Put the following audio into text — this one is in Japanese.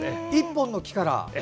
１本の木から。